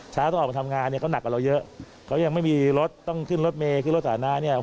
ช้าต้องออกมาทำงานเนี่ย